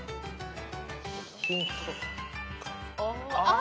あ。